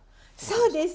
そうです。